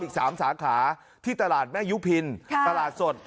อีก๓สาขาที่ตลาดแม่ยุพินตลาดสด